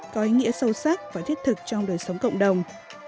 có ý nghĩa sâu sắc và thiết thực trong đời sống cộng đồng